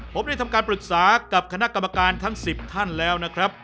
ผมได้ทำการปรึกษากับคณะกรรมการทั้ง๑๐ท่านแล้วนะครับ